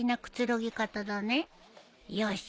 よし！